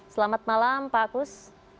selamat malam pak kus